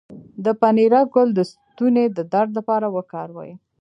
د پنیرک ګل د ستوني د درد لپاره وکاروئ